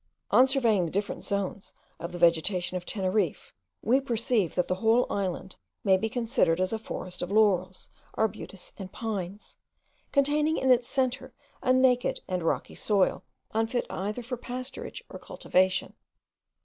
On surveying the different zones of the vegetation of Teneriffe, we perceive that the whole island may be considered as a forest of laurels, arbutus, and pines, containing in its centre a naked and rocky soil, unfit either for pasturage or cultivation.